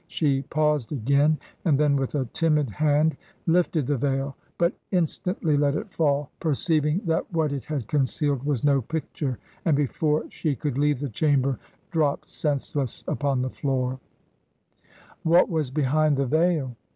She paused again, and then with a timid hand lifted the veil, but instantly let it fall — ^perceiving that what it had concealed was no picture; and before she could leave the chamber dropped senseless upon the floor/' What was behind the veil?